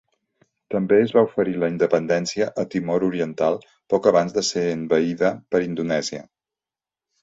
També es va oferir la independència a Timor Oriental poc abans de ser envaïda per Indonèsia.